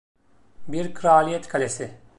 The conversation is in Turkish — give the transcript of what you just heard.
Bir kraliyet kalesi.